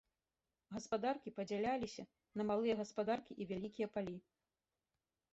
Гаспадаркі падзяляліся на малыя гаспадаркі і вялікія палі.